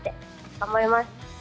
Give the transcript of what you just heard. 頑張ります。